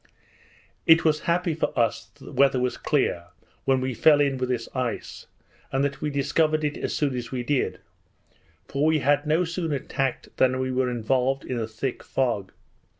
It was happy for us that the weather was clear when we fell in with this ice, and that we discovered it so soon as we did; for we had no sooner tacked than we were involved in a thick fog.